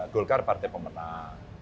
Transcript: golkar partai pemenang